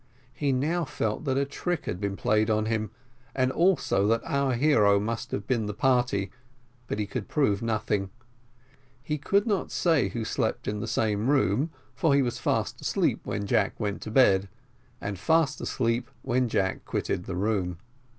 He now felt that a trick had been played him, and also that our hero must have been the party, but he could prove nothing; he could not say who slept in the same room, for he was fast asleep when Jack went to bed, and fast asleep when Jack quitted the room.